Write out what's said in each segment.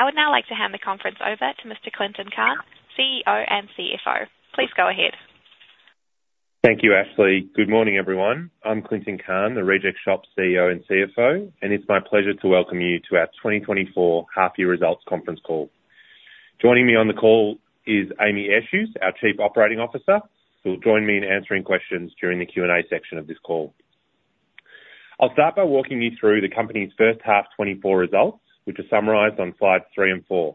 I would now like to hand the conference over to Mr. Clinton Cahn, CEO and CFO. Please go ahead. Thank you, Ashley. Good morning, everyone. I'm Clinton Cahn, The Reject Shop CEO and CFO, and it's my pleasure to welcome you to our 2024 half year results conference call. Joining me on the call is Amy Eshuys, our Chief Operating Officer, who will join me in answering questions during the Q&A section of this call. I'll start by walking you through the company's first half 2024 results, which are summarized on slides three and four.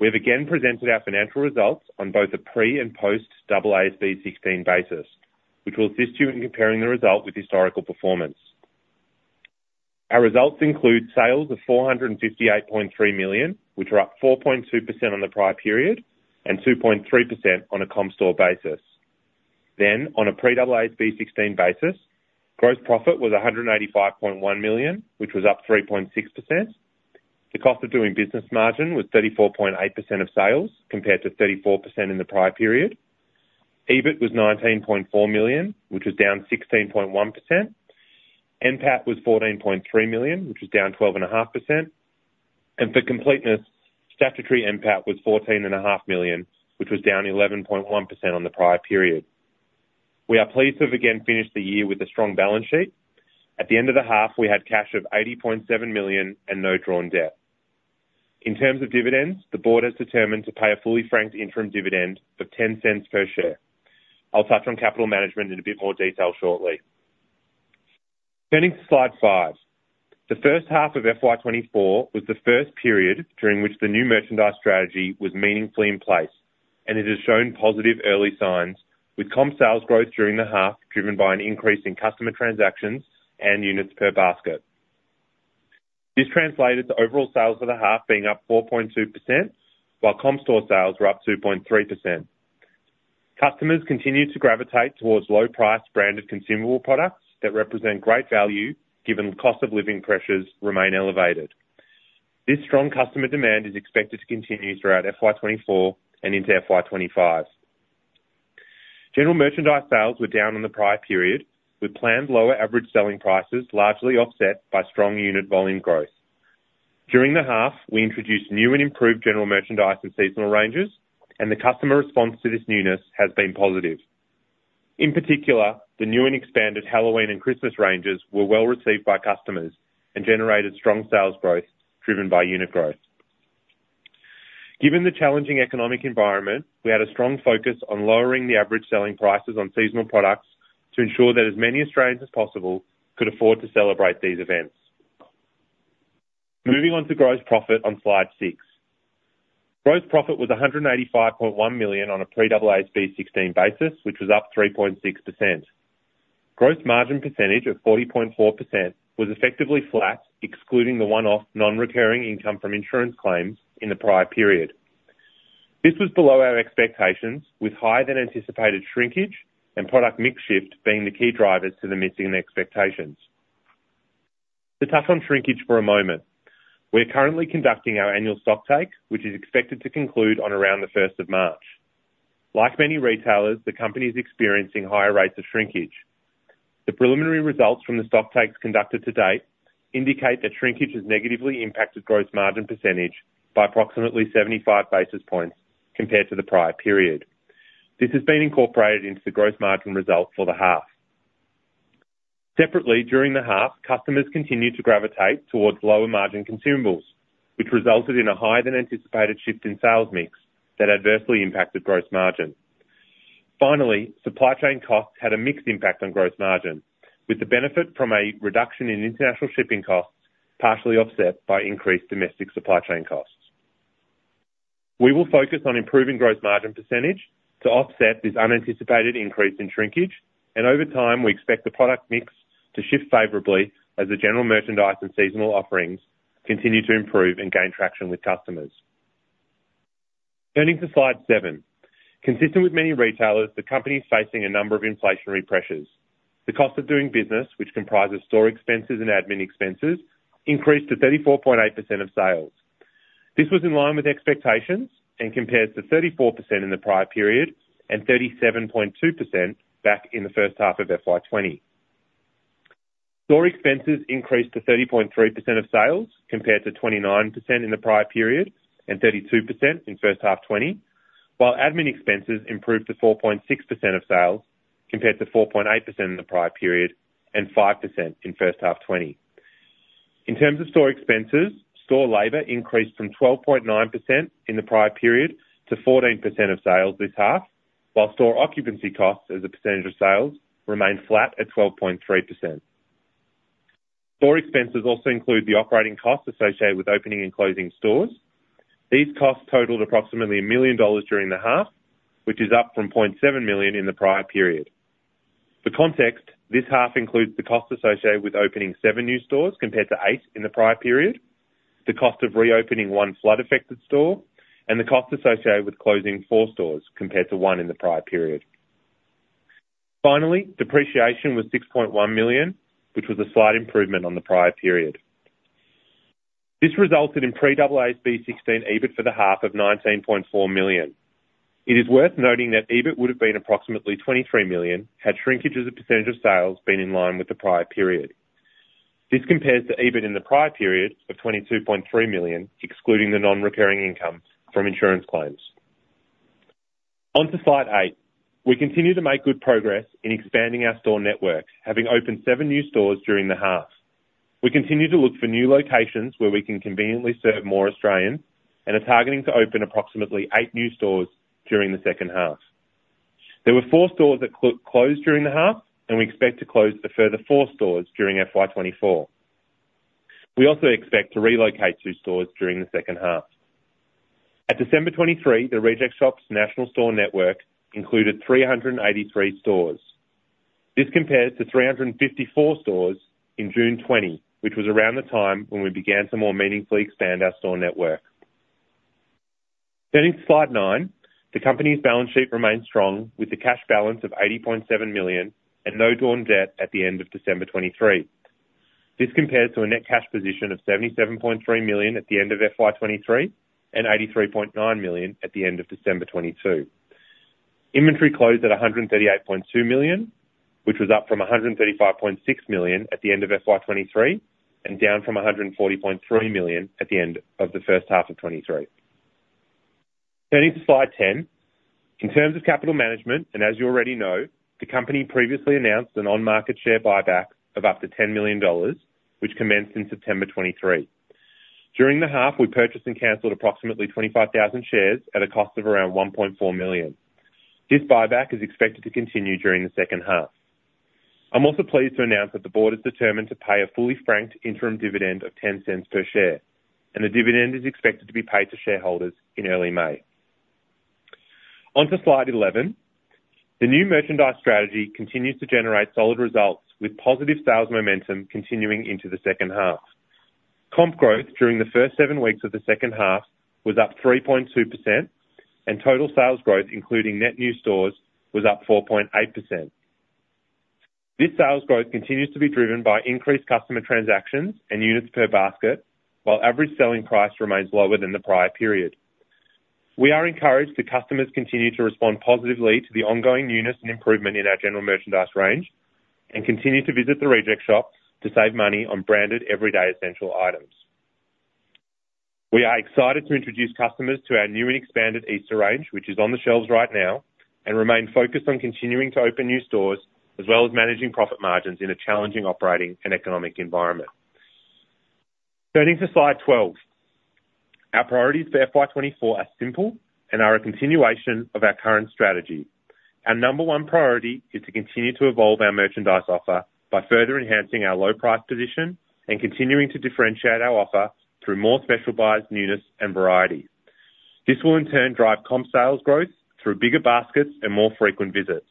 We have again presented our financial results on both a pre and post AASB 16 basis, which will assist you in comparing the result with historical performance. Our results include sales of 458.3 million, which are up 4.2% on the prior period and 2.3% on a comp store basis. Then, on a pre-AASB 16 basis, gross profit was 185.1 million, which was up 3.6%. The cost of doing business margin was 34.8% of sales, compared to 34% in the prior period. EBIT was 19.4 million, which was down 16.1%. NPAT was 14.3 million, which was down 12.5%, and for completeness, statutory NPAT was 14.5 million, which was down 11.1% on the prior period. We are pleased to have again finished the year with a strong balance sheet. At the end of the half, we had cash of 80.7 million and no drawn debt. In terms of dividends, the board has determined to pay a fully franked interim dividend of 0.10 per share. I'll touch on capital management in a bit more detail shortly. Turning to slide five. The first half of FY 2024 was the first period during which the new merchandise strategy was meaningfully in place, and it has shown positive early signs, with comp sales growth during the half, driven by an increase in customer transactions and units per basket. This translated to overall sales for the half being up 4.2%, while comp store sales were up 2.3%. Customers continued to gravitate towards low-priced branded consumable products that represent great value, given cost of living pressures remain elevated. This strong customer demand is expected to continue throughout FY 2024 and into FY 2025. General merchandise sales were down in the prior period, with planned lower average selling prices largely offset by strong unit volume growth. During the half, we introduced new and improved general merchandise and seasonal ranges, and the customer response to this newness has been positive. In particular, the new and expanded Halloween and Christmas ranges were well received by customers and generated strong sales growth driven by unit growth. Given the challenging economic environment, we had a strong focus on lowering the average selling prices on seasonal products to ensure that as many Australians as possible could afford to celebrate these events. Moving on to gross profit on slide six. Gross profit was 185.1 million on a pre-AASB 16 basis, which was up 3.6%. Gross margin percentage of 40.4% was effectively flat, excluding the one-off non-recurring income from insurance claims in the prior period. This was below our expectations, with higher than anticipated shrinkage and product mix shift being the key drivers to the missing expectations. Let's touch on shrinkage for a moment. We're currently conducting our annual stock take, which is expected to conclude on around the first of March. Like many retailers, the company is experiencing higher rates of shrinkage. The preliminary results from the stock takes conducted to date indicate that shrinkage has negatively impacted gross margin percentage by approximately 75 basis points compared to the prior period. This has been incorporated into the gross margin result for the half. Separately, during the half, customers continued to gravitate towards lower margin consumables, which resulted in a higher-than-anticipated shift in sales mix that adversely impacted gross margin. Finally, supply chain costs had a mixed impact on gross margin, with the benefit from a reduction in international shipping costs partially offset by increased domestic supply chain costs. We will focus on improving gross margin percentage to offset this unanticipated increase in shrinkage, and over time, we expect the product mix to shift favorably as the general merchandise and seasonal offerings continue to improve and gain traction with customers. Turning to slide seven. Consistent with many retailers, the company is facing a number of inflationary pressures. The cost of doing business, which comprises store expenses and admin expenses, increased to 34.8% of sales. This was in line with expectations and compares to 34% in the prior period and 37.2% back in the first half of FY 2020. Store expenses increased to 30.3% of sales, compared to 29% in the prior period and 32% in first half 2020, while admin expenses improved to 4.6% of sales, compared to 4.8% in the prior period and 5% in first half 2020. In terms of store expenses, store labor increased from 12.9% in the prior period to 14% of sales this half, while store occupancy costs as a percentage of sales remained flat at 12.3%. Store expenses also include the operating costs associated with opening and closing stores. These costs totaled approximately 1 million dollars during the half, which is up from 0.7 million in the prior period. For context, this half includes the cost associated with opening seven new stores compared to eight in the prior period, the cost of reopening one flood-affected store, and the cost associated with closing four stores compared to one in the prior period. Finally, depreciation was 6.1 million, which was a slight improvement on the prior period. This resulted in pre-AASB 16 EBIT for the half of AUD 19.4 million. It is worth noting that EBIT would have been approximately 23 million, had shrinkages as a percentage of sales been in line with the prior period. This compares to EBIT in the prior period of 22.3 million, excluding the non-recurring income from insurance claims. On to slide eight. We continue to make good progress in expanding our store network, having opened seven new stores during the half. We continue to look for new locations where we can conveniently serve more Australians, and are targeting to open approximately eight new stores during the second half. There were four stores that closed during the half, and we expect to close a further four stores during FY 2024. We also expect to relocate two stores during the second half. At December 2023, The Reject Shop's national store network included 383 stores. This compares to 354 stores in June 2020, which was around the time when we began to more meaningfully expand our store network. Turning to slide nine, the company's balance sheet remains strong, with a cash balance of 80.7 million and no drawn debt at the end of December 2023. This compares to a net cash position of AUD 77.3 million at the end of FY 2023, and AUD 83.9 million at the end of December 2022. Inventory closed at AUD 138.2 million, which was up from AUD 135.6 million at the end of FY 2023, and down from AUD 140.3 million at the end of the first half of 2023. Turning to slide 10. In terms of capital management, and as you already know, the company previously announced an on-market share buyback of up to 10 million dollars, which commenced in September 2023. During the half, we purchased and canceled approximately 25,000 shares at a cost of around 1.4 million. This buyback is expected to continue during the second half. I'm also pleased to announce that the board is determined to pay a fully franked interim dividend of 0.10 per share, and the dividend is expected to be paid to shareholders in early May. On to slide 11. The new merchandise strategy continues to generate solid results, with positive sales momentum continuing into the second half. Comp growth during the first seven weeks of the second half was up 3.2%, and total sales growth, including net new stores, was up 4.8%. This sales growth continues to be driven by increased customer transactions and units per basket, while average selling price remains lower than the prior period. We are encouraged that customers continue to respond positively to the ongoing newness and improvement in our general merchandise range, and continue to visit The Reject Shop to save money on branded, everyday, essential items. We are excited to introduce customers to our new and expanded Easter range, which is on the shelves right now, and remain focused on continuing to open new stores, as well as managing profit margins in a challenging operating and economic environment. Turning to slide 12. Our priorities for FY 2024 are simple and are a continuation of our current strategy. Our number one priority is to continue to evolve our merchandise offer by further enhancing our low price position and continuing to differentiate our offer through more special buys, newness, and variety. This will in turn drive comp sales growth through bigger baskets and more frequent visits.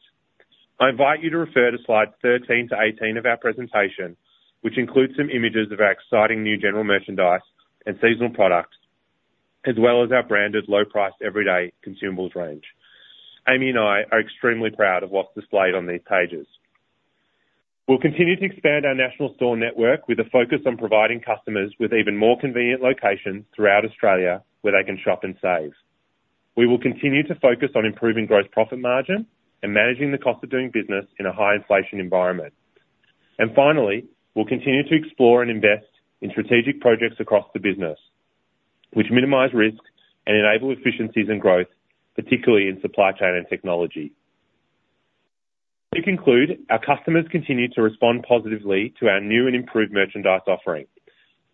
I invite you to refer to slides 13 to 18 of our presentation, which includes some images of our exciting new general merchandise and seasonal products, as well as our branded, low-price, everyday consumables range. Amy and I are extremely proud of what's displayed on these pages. We'll continue to expand our national store network with a focus on providing customers with even more convenient locations throughout Australia, where they can shop and save. We will continue to focus on improving gross profit margin and managing the cost of doing business in a high inflation environment. And finally, we'll continue to explore and invest in strategic projects across the business, which minimize risks and enable efficiencies and growth, particularly in supply chain and technology. To conclude, our customers continue to respond positively to our new and improved merchandise offering.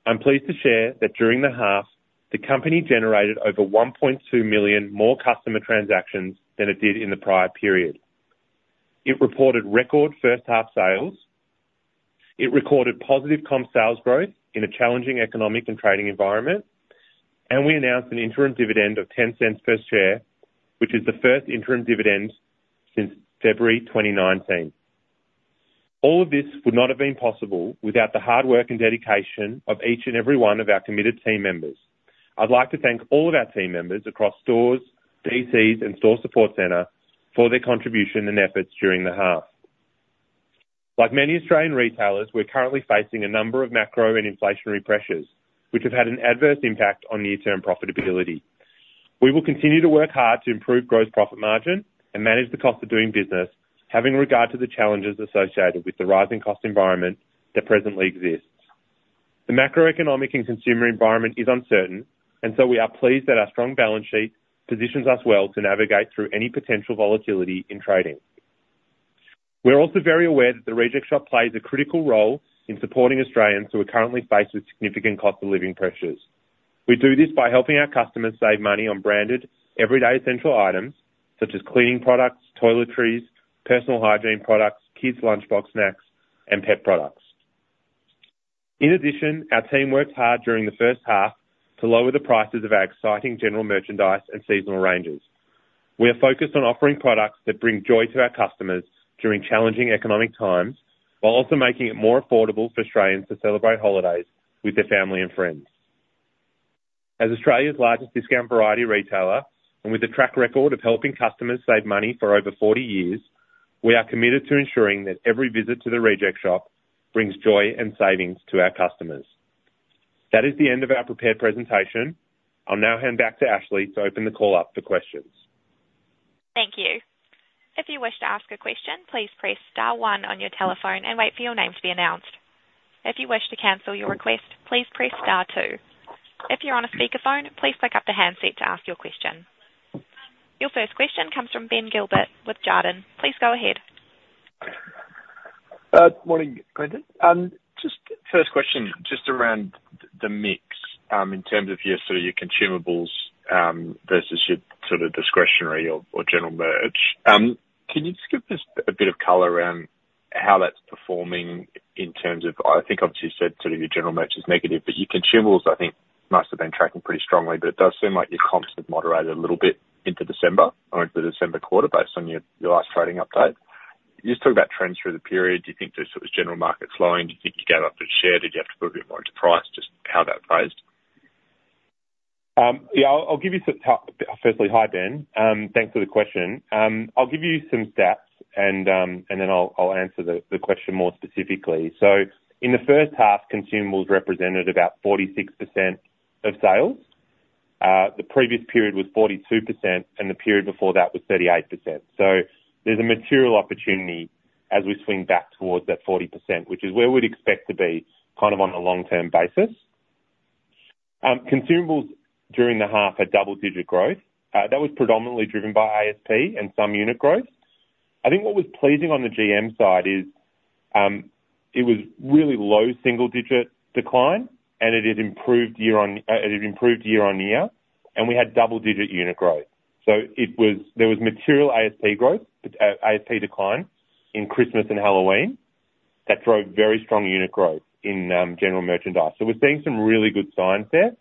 I'm pleased to share that during the half, the company generated over 1.2 million more customer transactions than it did in the prior period. It reported record first half sales. It recorded positive comp sales growth in a challenging economic and trading environment. We announced an interim dividend of 0.10 per share, which is the first interim dividend since February 2019. All of this would not have been possible without the hard work and dedication of each and every one of our committed team members. I'd like to thank all of our team members across stores, DCs, and store support center for their contribution and efforts during the half. Like many Australian retailers, we're currently facing a number of macro and inflationary pressures, which have had an adverse impact on near-term profitability. We will continue to work hard to improve gross profit margin and manage the cost of doing business, having regard to the challenges associated with the rising cost environment that presently exists. The macroeconomic and consumer environment is uncertain, and so we are pleased that our strong balance sheet positions us well to navigate through any potential volatility in trading. We're also very aware that The Reject Shop plays a critical role in supporting Australians who are currently faced with significant cost of living pressures. We do this by helping our customers save money on branded, everyday, essential items, such as cleaning products, toiletries, personal hygiene products, kids' lunchbox snacks, and pet products. In addition, our team worked hard during the first half to lower the prices of our exciting general merchandise and seasonal ranges. We are focused on offering products that bring joy to our customers during challenging economic times, while also making it more affordable for Australians to celebrate holidays with their family and friends. As Australia's largest discount variety retailer, and with a track record of helping customers save money for over forty years, we are committed to ensuring that every visit to The Reject Shop brings joy and savings to our customers. That is the end of our prepared presentation. I'll now hand back to Ashley to open the call up for questions. Thank you. If you wish to ask a question, please press star one on your telephone and wait for your name to be announced. If you wish to cancel your request, please press star two. If you're on a speakerphone, please pick up the handset to ask your question. Your first question comes from Ben Gilbert with Jarden. Please go ahead. Morning, Clinton. Just first question, just around the mix, in terms of your sort of consumables, versus your sort of discretionary or general merch. Can you just give us a bit of color around how that's performing in terms of—I think obviously you said sort of your general merch is negative, but your consumables, I think, must have been tracking pretty strongly, but it does seem like your comps have moderated a little bit into December or into the December quarter based on your last trading update. You just talked about trends through the period. Do you think there's sort of general market slowing? Do you think you gave up a share? Did you have to put a bit more into price? Just how that plays. Yeah, I'll give you some – firstly, hi, Ben. Thanks for the question. I'll give you some stats and then I'll answer the question more specifically. So in the first half, consumables represented about 46% of sales. The previous period was 42%, and the period before that was 38%. So there's a material opportunity as we swing back towards that 40%, which is where we'd expect to be kind of on a long-term basis. Consumables during the half had double-digit growth. That was predominantly driven by ASP and some unit growth. I think what was pleasing on the GM side is it was really low single-digit decline, and it had improved year-on-year, and we had double-digit unit growth. So there was material ASP growth, ASP decline in Christmas and Halloween that drove very strong unit growth in general merchandise. So we're seeing some really good signs there.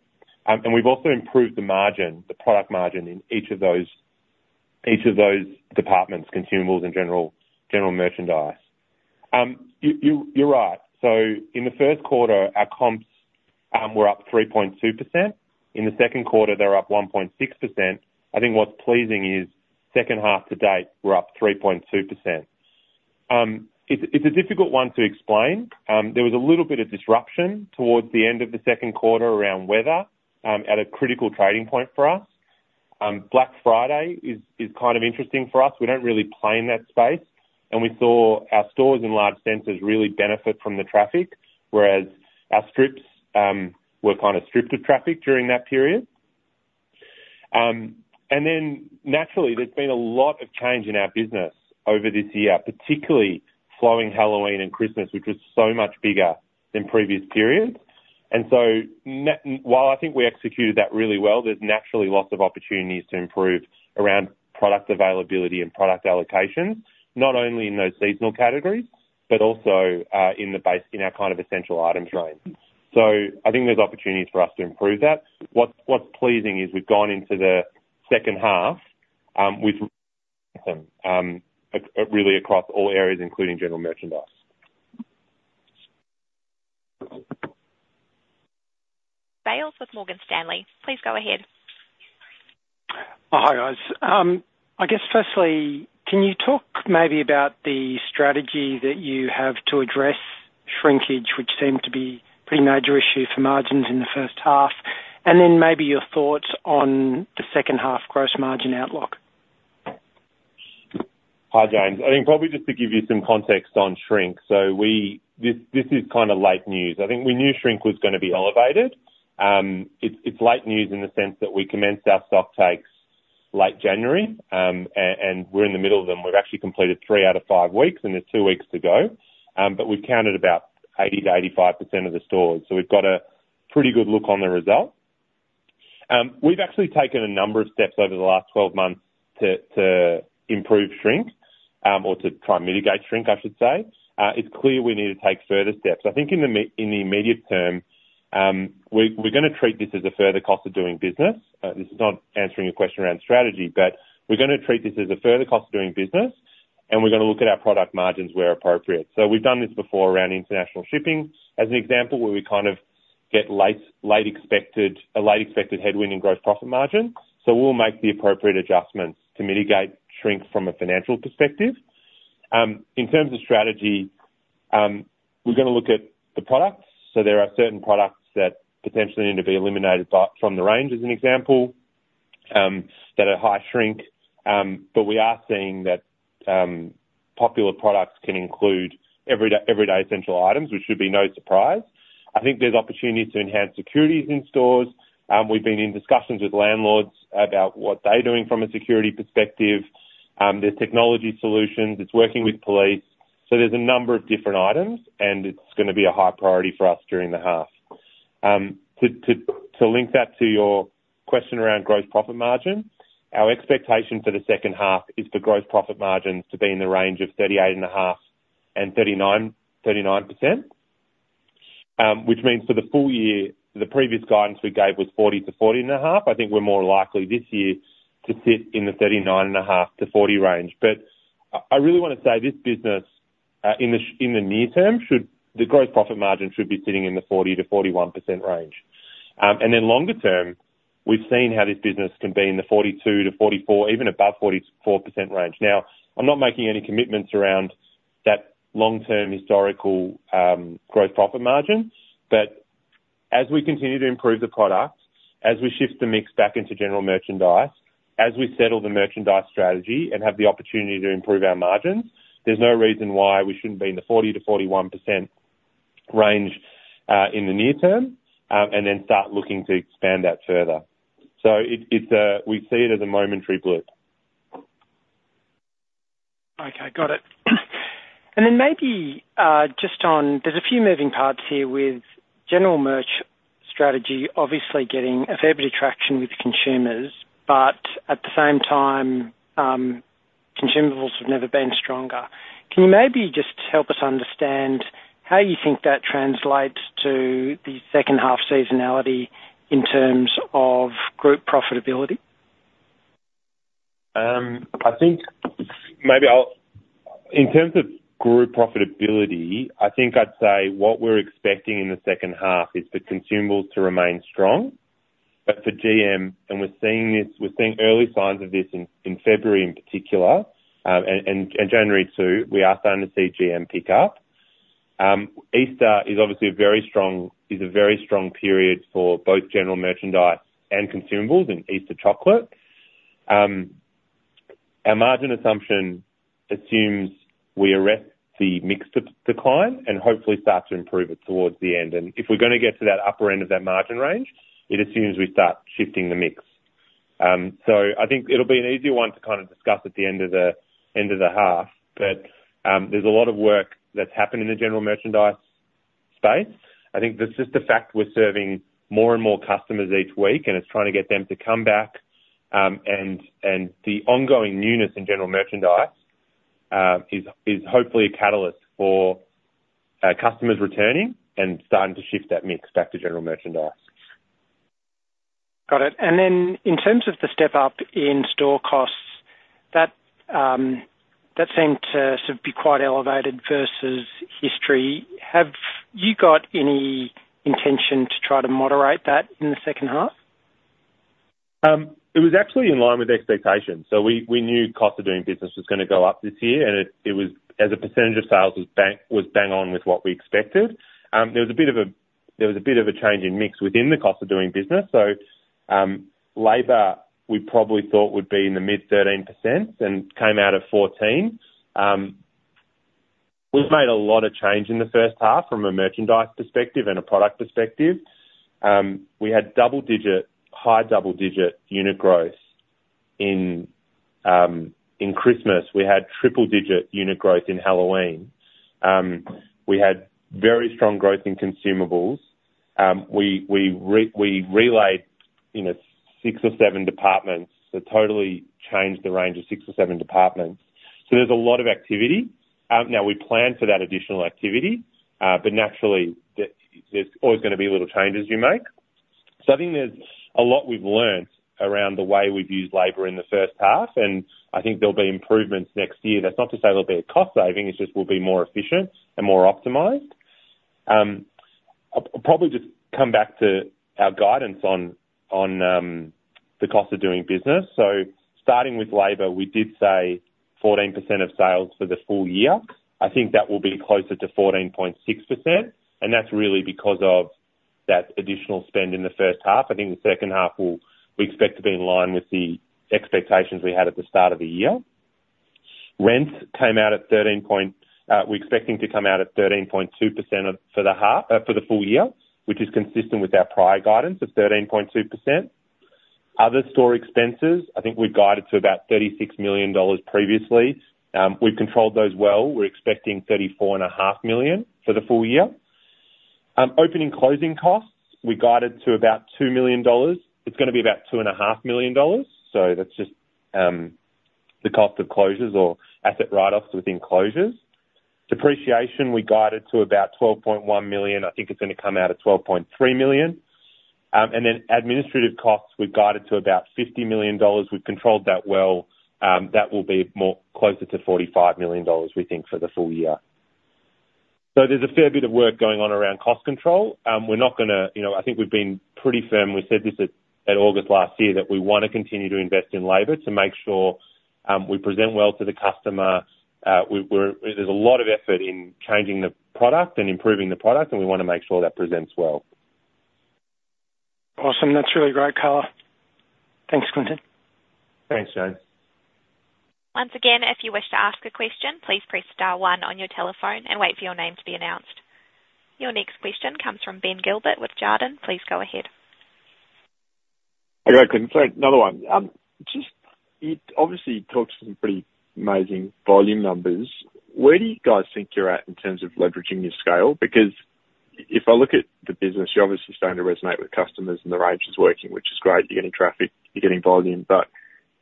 And we've also improved the margin, the product margin, in each of those, each of those departments, consumables and general, general merchandise. You're right. So in the first quarter, our comps were up 3.2%. In the second quarter, they're up 1.6%. I think what's pleasing is second half to date, we're up 3.2%. It's a difficult one to explain. There was a little bit of disruption towards the end of the second quarter around weather at a critical trading point for us. Black Friday is kind of interesting for us. We don't really play in that space, and we saw our stores in large centers really benefit from the traffic, whereas our strips were kind of stripped of traffic during that period. Then naturally, there's been a lot of change in our business over this year, particularly following Halloween and Christmas, which was so much bigger than previous periods. And so while I think we executed that really well, there's naturally lots of opportunities to improve around product availability and product allocation, not only in those seasonal categories, but also in our kind of essential items range. So I think there's opportunities for us to improve that. What's pleasing is we've gone into the second half with really across all areas, including general merchandise. James Bales with Morgan Stanley, please go ahead. Oh, hi, guys. I guess firstly, can you talk maybe about the strategy that you have to address shrinkage, which seemed to be a pretty major issue for margins in the first half, and then maybe your thoughts on the second half gross margin outlook? Hi, James. I think probably just to give you some context on shrink. This is kind of late news. I think we knew shrink was going to be elevated. It's late news in the sense that we commenced our stock takes late January, and we're in the middle of them. We've actually completed three out of five weeks, and there's two weeks to go, but we've counted about 80%-85% of the stores, so we've got a pretty good look on the result. We've actually taken a number of steps over the last 12 months to improve shrink, or to try and mitigate shrink, I should say. It's clear we need to take further steps. I think in the immediate term, we're gonna treat this as a further cost of doing business. This is not answering your question around strategy, but we're gonna treat this as a further cost of doing business, and we're gonna look at our product margins where appropriate. So we've done this before around international shipping, as an example, where we kind of get a late expected headwind in gross profit margin. So we'll make the appropriate adjustments to mitigate shrink from a financial perspective. In terms of strategy, we're gonna look at the products. So there are certain products that potentially need to be eliminated from the range, as an example, that are high shrink. But we are seeing that popular products can include everyday essential items, which should be no surprise. I think there's opportunities to enhance securities in stores. We've been in discussions with landlords about what they're doing from a security perspective. There's technology solutions. It's working with police. So there's a number of different items, and it's gonna be a high priority for us during the half. To link that to your question around gross profit margin, our expectation for the second half is for gross profit margins to be in the range of 38.5%-39%. Which means for the full year, the previous guidance we gave was 40%-40.5%. I think we're more likely this year to sit in the 39.5%-40% range. I really want to say this business in the near term, the gross profit margin should be sitting in the 40%-41% range. And then longer term, we've seen how this business can be in the 42%-44%, even above 44% range. Now, I'm not making any commitments around that long-term historical gross profit margin, but as we continue to improve the product, as we shift the mix back into general merchandise, as we settle the merchandise strategy and have the opportunity to improve our margins, there's no reason why we shouldn't be in the 40%-41% range in the near term, and then start looking to expand that further. So it's, we see it as a momentary blip. Okay, got it. Then maybe, just on, there's a few moving parts here with general merch strategy, obviously getting a fair bit of traction with consumers, but at the same time, consumables have never been stronger. Can you maybe just help us understand how you think that translates to the second half seasonality in terms of group profitability? I think maybe I'll in terms of group profitability, I think I'd say what we're expecting in the second half is for consumables to remain strong. But for GM, and we're seeing this, we're seeing early signs of this in February in particular, and January, too, we are starting to see GM pick up. Easter is obviously a very strong period for both general merchandise and consumables in Easter chocolate. Our margin assumption assumes we arrest the mix decline and hopefully start to improve it towards the end, and if we're gonna get to that upper end of that margin range, it assumes we start shifting the mix. So I think it'll be an easier one to kind of discuss at the end of the half. But, there's a lot of work that's happened in the general merchandise space. I think that just the fact we're serving more and more customers each week, and it's trying to get them to come back, and the ongoing newness in general merchandise is hopefully a catalyst for customers returning and starting to shift that mix back to general merchandise. Got it. And then in terms of the step up in store costs, that, that seemed to sort of be quite elevated versus history. Have you got any intention to try to moderate that in the second half? It was absolutely in line with expectations, so we knew cost of doing business was gonna go up this year, and it was, as a percentage of sales, bang on with what we expected. There was a bit of a change in mix within the cost of doing business. So, labor, we probably thought would be in the mid-13% and came out of 14. We've made a lot of change in the first half from a merchandise perspective and a product perspective. We had double-digit, high double-digit unit growth in Christmas. We had triple-digit unit growth in Halloween. We had very strong growth in consumables. We relaid, you know, six or seven departments, so totally changed the range of six or seven departments. So there's a lot of activity. Now we plan for that additional activity, but naturally, there, there's always gonna be little changes you make. So I think there's a lot we've learned around the way we've used labor in the first half, and I think there'll be improvements next year. That's not to say there'll be a cost saving, it's just we'll be more efficient and more optimized. I'll probably just come back to our guidance on the cost of doing business. So starting with labor, we did say 14% of sales for the full year. I think that will be closer to 14.6%, and that's really because of that additional spend in the first half. I think the second half, we expect to be in line with the expectations we had at the start of the year. Rents came out at 13.2%. We're expecting to come out at 13.2% for the full year, which is consistent with our prior guidance of 13.2%. Other store expenses, I think we've guided to about 36 million dollars previously. We've controlled those well. We're expecting 34.5 million for the full year. Open and closing costs, we guided to about 2 million dollars. It's gonna be about 2.5 million dollars, so that's just the cost of closures or asset write-offs within closures. Depreciation, we guided to about 12.1 million. I think it's gonna come out at 12.3 million. And then administrative costs, we've guided to about 50 million dollars. We've controlled that well. That will be more closer to 45 million dollars, we think, for the full year. So there's a fair bit of work going on around cost control. We're not gonna... You know, I think we've been pretty firm. We said this at August last year, that we want to continue to invest in labor to make sure, we present well to the customer. We're there's a lot of effort in changing the product and improving the product, and we wanna make sure that presents well. Awesome. That's really great color. Thanks, Clinton. Thanks, James. Once again, if you wish to ask a question, please press star one on your telephone and wait for your name to be announced. Your next question comes from Ben Gilbert with Jarden. Please go ahead. Hey, Clinton, another one. Just, you obviously talked some pretty amazing volume numbers. Where do you guys think you're at in terms of leveraging your scale? Because if I look at the business, you're obviously starting to resonate with customers, and the range is working, which is great. You're getting traffic, you're getting volume, but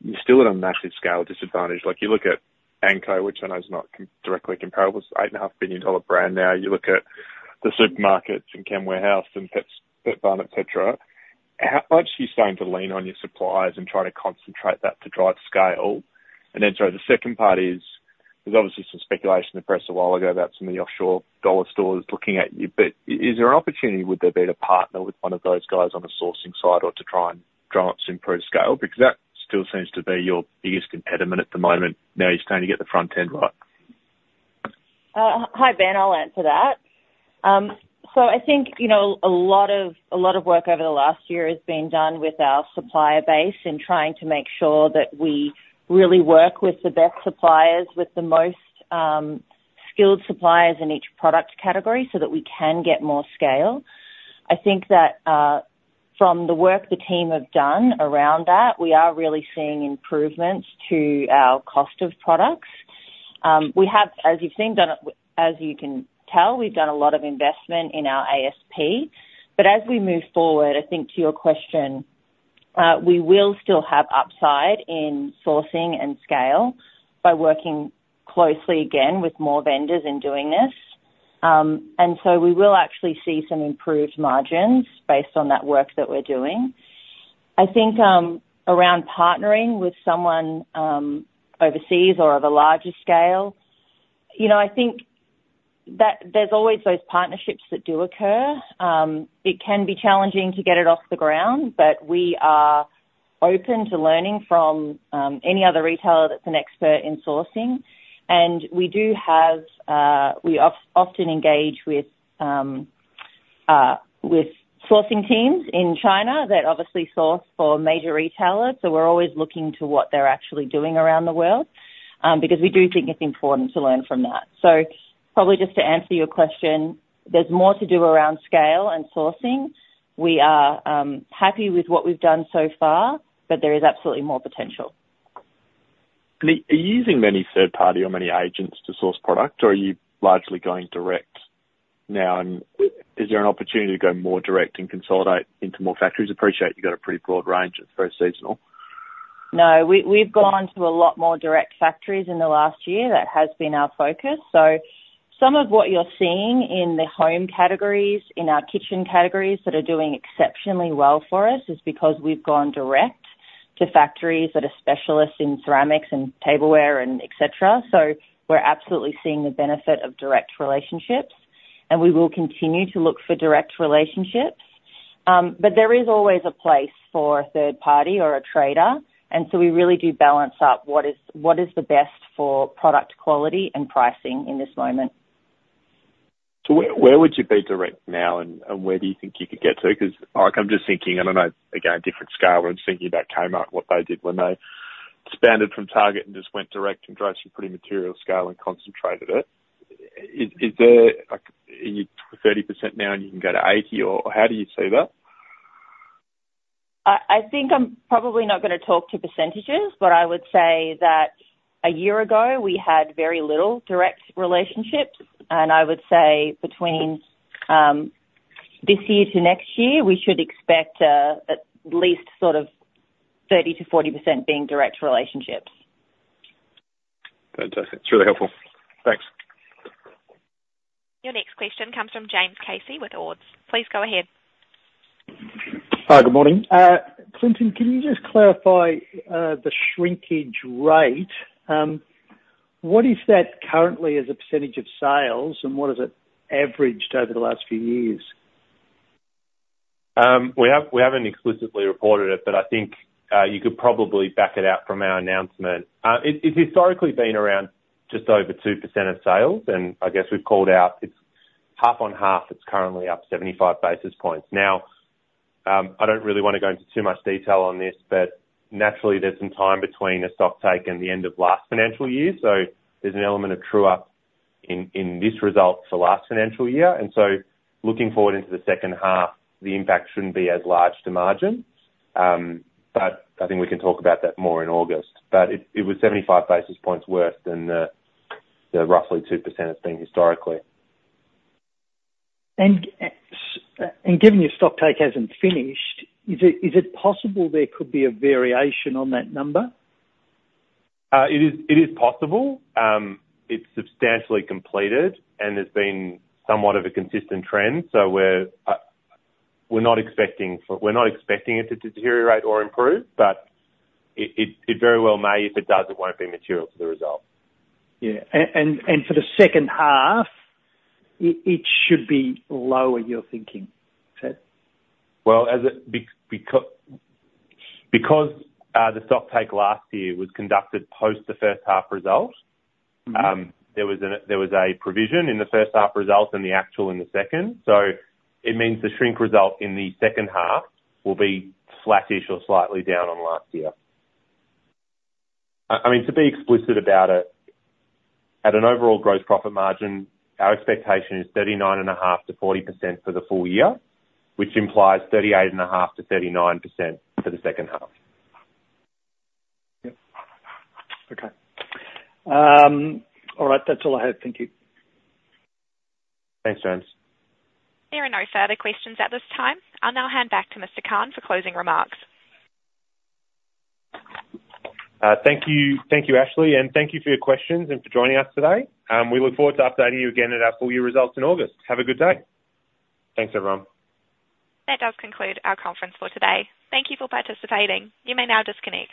you're still at a massive scale disadvantage. Like, you look at Anko, which I know is not directly comparable, it's an 8.5 billion-dollar brand now. You look at the supermarkets and Chem Warehouse and Petbarn, et cetera, how much are you starting to lean on your suppliers and try to concentrate that to drive scale? And then, so the second part is-... There's obviously some speculation in the press a while ago about some of the offshore dollar stores looking at you, but is there an opportunity, would there be to partner with one of those guys on the sourcing side or to try and drive some improved scale? Because that still seems to be your biggest impediment at the moment, now you're starting to get the front end right. Hi, Ben, I'll answer that. So I think, you know, a lot of work over the last year has been done with our supplier base in trying to make sure that we really work with the best suppliers, with the most skilled suppliers in each product category so that we can get more scale. I think that, from the work the team have done around that, we are really seeing improvements to our cost of products. We have, as you've seen, as you can tell, we've done a lot of investment in our ASP, but as we move forward, I think to your question, we will still have upside in sourcing and scale by working closely, again, with more vendors in doing this. And so we will actually see some improved margins based on that work that we're doing. I think, around partnering with someone, overseas or of a larger scale, you know, I think that there's always those partnerships that do occur. It can be challenging to get it off the ground, but we are open to learning from, any other retailer that's an expert in sourcing. And we do have, we often engage with, with sourcing teams in China that obviously source for major retailers, so we're always looking to what they're actually doing around the world, because we do think it's important to learn from that. So probably just to answer your question, there's more to do around scale and sourcing. We are, happy with what we've done so far, but there is absolutely more potential. And are you using many third party or many agents to source product, or are you largely going direct now, and is there an opportunity to go more direct and consolidate into more factories? I appreciate you've got a pretty broad range, it's very seasonal. No, we've gone to a lot more direct factories in the last year. That has been our focus. So some of what you're seeing in the home categories, in our kitchen categories, that are doing exceptionally well for us, is because we've gone direct to factories that are specialists in ceramics and tableware and et cetera. So we're absolutely seeing the benefit of direct relationships, and we will continue to look for direct relationships. But there is always a place for a third party or a trader, and so we really do balance out what is, what is the best for product quality and pricing in this moment. So where, where would you be direct now, and, and where do you think you could get to? 'Cause like I'm just thinking, I don't know, again, a different scale, I'm just thinking about Kmart, what they did when they expanded from Target and just went direct and drove some pretty material scale and concentrated it. Is, is there, like, are you 30% now and you can go to 80, or how do you see that? I think I'm probably not gonna talk to percentages, but I would say that a year ago we had very little direct relationships, and I would say between this year to next year, we should expect at least sort of 30%-40% being direct relationships. Fantastic. It's really helpful. Thanks. Your next question comes from James Casey with Ords. Please go ahead. Hi, good morning. Clinton, can you just clarify the shrinkage rate? What is that currently as a percentage of sales, and what has it averaged over the last few years? We have, we haven't explicitly reported it, but I think you could probably back it out from our announcement. It's historically been around just over 2% of sales, and I guess we've called out it's half on half, it's currently up 75 basis points. Now, I don't really wanna go into too much detail on this, but naturally there's some time between a stocktake and the end of last financial year, so there's an element of true up in this result for last financial year. And so looking forward into the second half, the impact shouldn't be as large to margin. But I think we can talk about that more in August. But it was 75 basis points worse than the roughly 2% it's been historically. Given your stocktake hasn't finished, is it possible there could be a variation on that number? It is possible. It's substantially completed, and there's been somewhat of a consistent trend, so we're not expecting it to deteriorate or improve, but it very well may. If it does, it won't be material to the result. Yeah. For the second half, it should be lower, you're thinking, is that? Well, because the stocktake last year was conducted post the first half result. Mm-hmm. there was a provision in the first half result and the actual in the second. So it means the shrink result in the second half will be flattish or slightly down on last year. I mean, to be explicit about it, at an overall gross profit margin, our expectation is 39.5%-40% for the full year, which implies 38.5%-39% for the second half. Yep. Okay. All right, that's all I have. Thank you. Thanks, James. There are no further questions at this time. I'll now hand back to Mr. Cahn for closing remarks. Thank you, thank you, Ashley, and thank you for your questions and for joining us today. We look forward to updating you again at our full year results in August. Have a good day! Thanks, everyone. That does conclude our conference for today. Thank you for participating. You may now disconnect.